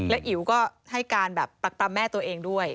แล้วอิ๋วก็ให้การแบบปรักปรำแม่ตัวเองด้วย